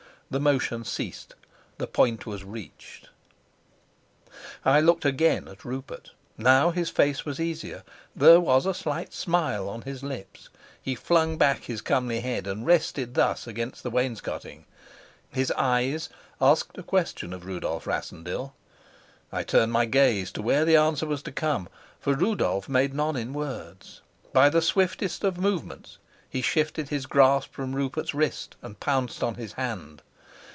The motion ceased, the point was reached. I looked again at Rupert. Now his face was easier; there was a slight smile on his lips; he flung back his comely head and rested thus against the wainscoting; his eyes asked a question of Rudolf Rassendyll. I turned my gaze to where the answer was to come, for Rudolf made none in words. By the swiftest of movements he shifted his grasp from Rupert's wrist and pounced on his hand.